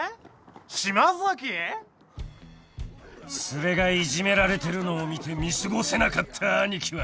［ツレがいじめられてるのを見て見過ごせなかったアニキは］